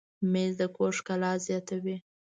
مېز د کور ښکلا زیاتوي.